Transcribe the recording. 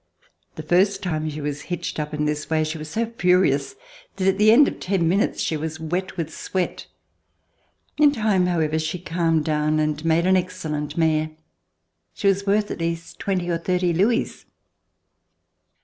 The first time she was hitched up in this way, she was so furious that at the end of ten minutes she was wet with sweat. In time, however, she calmed down and made an excellent mare. She was worth at least twenty or thirty louis.